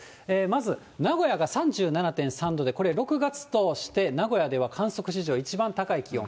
まず、名古屋が３７．３度で、これ、６月として、名古屋では観測史上一番高い気温。